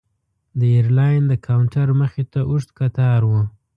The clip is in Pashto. د ایرلاین د کاونټر مخې ته اوږد کتار و.